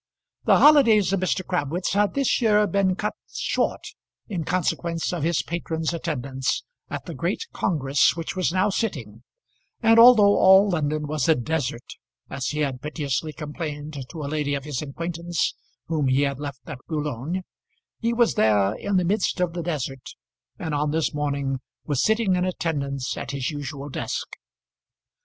The holidays of Mr. Crabwitz had this year been cut short in consequence of his patron's attendance at the great congress which was now sitting, and although all London was a desert, as he had piteously complained to a lady of his acquaintance whom he had left at Boulogne, he was there in the midst of the desert, and on this morning was sitting in attendance at his usual desk.